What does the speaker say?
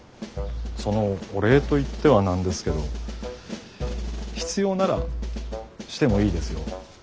そのお礼と言ってはなんですけど必要ならしてもいいですよ。